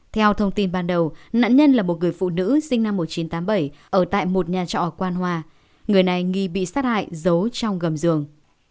theo thông tin ban đầu nạn nhân là một người phụ nữ sinh năm một nghìn chín trăm tám mươi bảy ở tại một nhà trọ ở quan hòa người này nghi bị sát hại giấu trong gầm giường